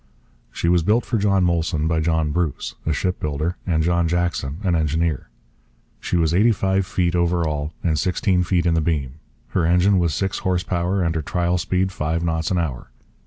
She was built for John Molson by John Bruce, a shipbuilder, and John Jackson, an engineer. She was eighty five feet over all and sixteen feet in the beam. Her engine was six horse power, and her trial speed five knots an hour.